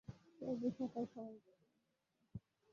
তোর বিষয়টা সবাই বুঝেছে!